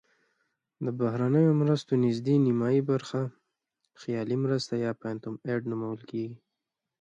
د بهرنیو مرستو نزدې نیمایي برخه خیالي مرستې یا phantom aid نومول کیږي.